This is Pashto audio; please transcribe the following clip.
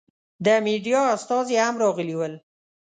د مېډیا استازي هم راغلي ول.